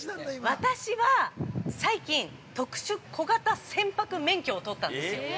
◆私は、最近、特殊小型船舶免許を取ったんですよ。